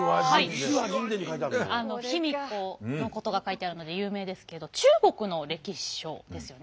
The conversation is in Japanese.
あの卑弥呼のことが書いてあるので有名ですけど中国の歴史書ですよね。